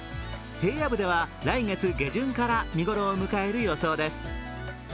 平野部では来月下旬から見頃を迎える予想です。